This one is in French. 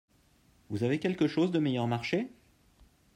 Vous avez quelque chose de meilleur marché ?